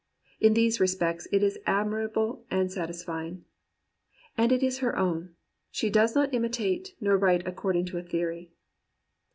In these respects it is admirable and satisfying. And it is her own — ^she does not imitate, nor write according to a theory.